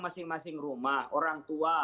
masing masing rumah orang tua